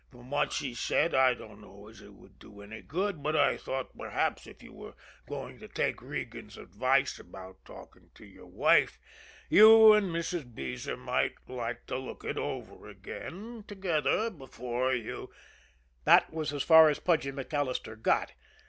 From what she said I dunno as it would do any good, but I thought, perhaps, if you were going to take Regan's advice about talking to your wife, you and Mrs. Beezer might like to look it over again together before you " That was as far as Pudgy MacAllister got.